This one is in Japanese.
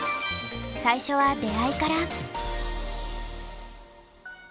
最初は出会いから！